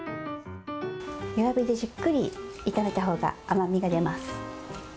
弱火でじっくり炒めたほうが甘みが出ます。